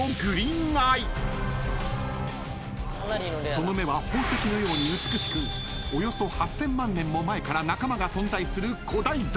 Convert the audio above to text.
［その目は宝石のように美しくおよそ８，０００万年も前から仲間が存在する古代ザメ］